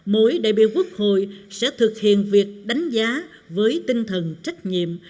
mỗi đại biểu quốc hội sẽ thực hiện việc đánh giá với tinh thần trách nhiệm